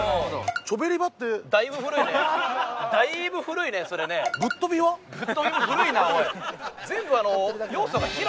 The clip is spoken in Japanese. チョベリバってだいぶ古いねだいぶ古いねそれねぶっとびも古いなおい